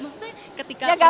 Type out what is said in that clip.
maksudnya ketika perempuan di dpr